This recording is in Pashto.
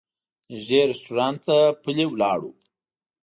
نږدې رسټورانټ ته پلي لاړو.